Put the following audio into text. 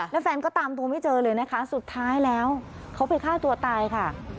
แล้วแฟนก็ตามตัวไม่เจอเลยนะคะสุดท้ายแล้วเขาไปฆ่าตัวตายค่ะ